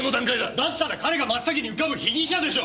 だったら彼が真っ先に浮かぶ被疑者でしょ！